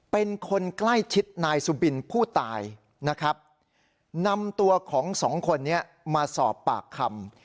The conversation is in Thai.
เป็นคนใกล้ชิดนายสุบินผู้ตายนะครับนำตัวของสองคนนี้มาสอบปากคำ